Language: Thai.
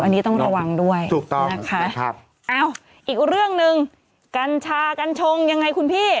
อันนี้ต้องระวังด้วยนะครับอีกเรื่องหนึ่งกัญชากัญชงยังไงคุณพี่